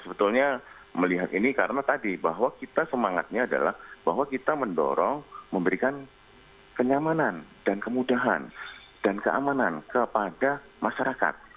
sebetulnya melihat ini karena tadi bahwa kita semangatnya adalah bahwa kita mendorong memberikan kenyamanan dan kemudahan dan keamanan kepada masyarakat